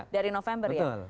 dari november ya